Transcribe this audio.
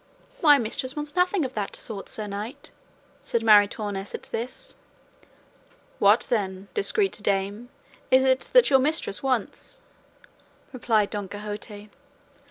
"My mistress wants nothing of that sort, sir knight," said Maritornes at this. "What then, discreet dame, is it that your mistress wants?" replied Don Quixote.